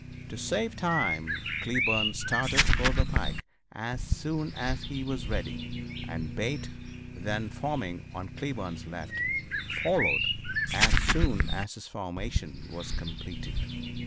To save time Cleburne started for the pike as soon as he was ready, and Bate, then forming on Cleburne's left, followed as soon as his formation was completed.